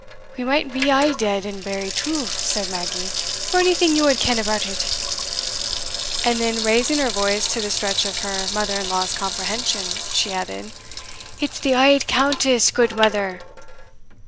"We might be a' dead and buried too," said Maggie, "for onything ye wad ken about it;" and then, raising her voice to the stretch of her mother in law's comprehension, she added, "It's the auld Countess, gudemither."